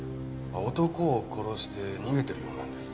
男を殺して逃げてるようなんです。